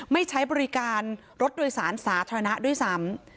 ไม่ใช้บริการรถโดยสารสาธารณะด้วยซ้ำ